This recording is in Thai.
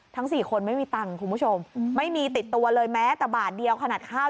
สี่คนไม่มีตังค์คุณผู้ชมไม่มีติดตัวเลยแม้แต่บาทเดียวขนาดข้าว